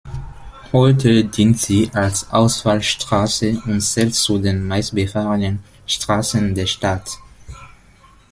Heute dient sie als Ausfallstraße und zählt zu den meistbefahrenen Straßen der Stadt.